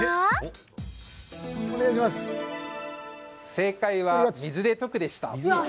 正解は、水で溶くでした。